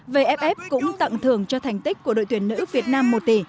vff cũng tặng thưởng cho thành tích của đội tuyển nữ việt nam một tỷ